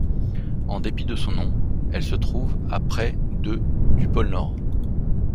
En dépit de son nom, elle se trouve à près de du pôle Nord.